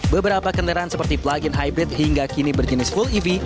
beberapa kendaraan seperti plug in hybrid hingga kini berjenis full ev